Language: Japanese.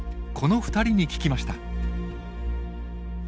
この２人に聞きました。